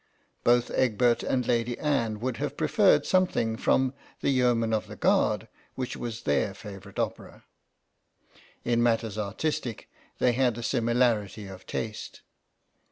Both Egbert and Lady Anne would have preferred something from The Yeomen of the Guardy which was their favourite opera. In matters artistic they had a similarity of taste.